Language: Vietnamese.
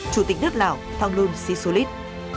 chủ tịch nước lào thonglun sisulit